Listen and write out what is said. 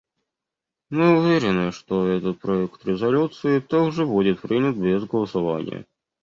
Мы уверены, что этот проект резолюции также будет принят без голосования.